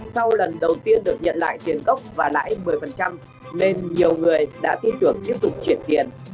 sau lần đầu tiên được nhận lại tiền gốc và lãi một mươi nên nhiều người đã tin tưởng tiếp tục chuyển tiền